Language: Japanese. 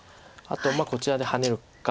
あとこちらでハネるか。